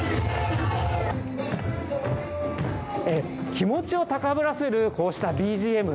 気持ちを高ぶらせる、こうしたＢＧＭ。